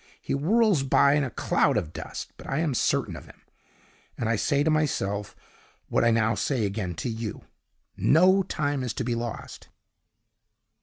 He whirls by in a cloud of dust, but I am certain of him; and I say to myself what I now say again to you, no time is to be lost!"